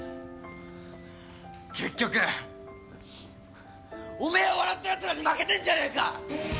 結局、おめえを笑ったやつらに負けてんじゃねえか！